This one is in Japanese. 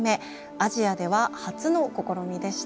アジアでは初の試みでした。